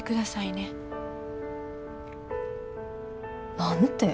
何て？